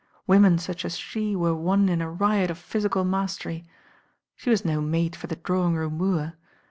Women such as she were won in a riot of physical mastery. She was no mate for the drawing room wooer.